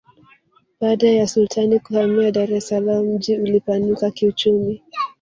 baada ya sultani kuhamia dar es salaam mji ulipanuka kiuchumi